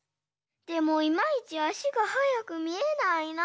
でもいまいちあしがはやくみえないな。